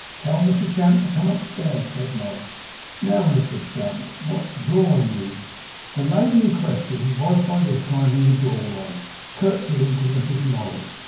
'Tell Mrs Gamp to come upstairs,' said Mould. 'Now Mrs Gamp, what's YOUR news?' The lady in question was by this time in the doorway, curtseying to Mrs Mould.